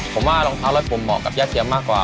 ผมว่ารองเท้ารัดกลุ่มเหมาะกับย่าเทียมมากกว่า